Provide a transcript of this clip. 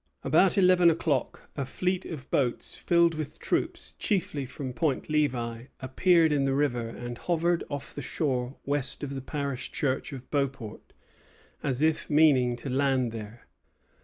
About eleven o'clock a fleet of boats filled with troops, chiefly from Point Levi, appeared in the river and hovered off the shore west of the parish church of Beauport, as if meaning to land there.